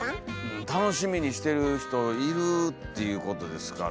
楽しみにしてる人いるっていうことですから。